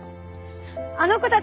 あの子たち